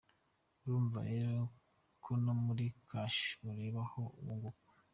urumva rero ko no muri cash ureba aho wunguka .